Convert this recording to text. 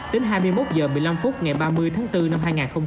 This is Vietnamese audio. đến hai mươi một h một mươi năm ngày ba mươi tháng bốn năm hai nghìn một mươi chín